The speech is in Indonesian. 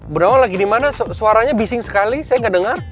berawal lagi dimana suaranya bising sekali saya gak dengar